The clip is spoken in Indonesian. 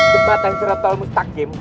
ke batang suratol mustaqim